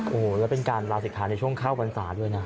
โอ้โหแล้วเป็นการลาศิกขาในช่วงเข้าพรรษาด้วยนะ